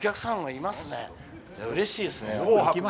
いやうれしいですね。